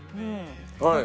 はい。